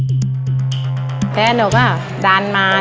พี่ดาขายดอกบัวมาตั้งแต่อายุ๑๐กว่าขวบ